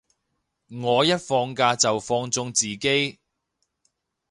我一放連假就放縱自己